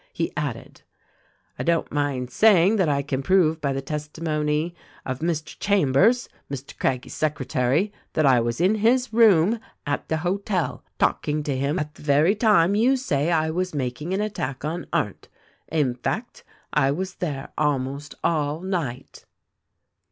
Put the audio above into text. He added : 'I don't mind saying that I can prove by the testimony of Mr. Cham bers, Mr. Craggie's secretary, that I was in his room at the hotel talking to him at the very time you say I was making an attack on Arndt. In fact, I was there almost all night.'